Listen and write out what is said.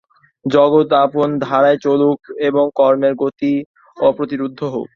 জগৎ আপন ধারায় চলুক এবং কর্মের গতি অপ্রতিরুদ্ধ হোক।